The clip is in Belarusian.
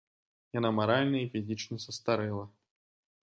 Яна маральна і фізічна састарэла.